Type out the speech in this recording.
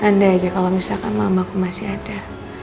tanda aja kalo misalkan mamaku masih ada